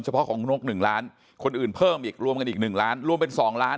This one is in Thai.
เพาะของคุณนก๑ล้านคนอื่นเพิ่มอีกรวมกันอีก๑ล้านรวมเป็น๒ล้าน